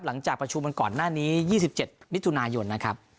หลังจากประชุมกันก่อนหน้านี้๒๗มิถุนายนนะครับ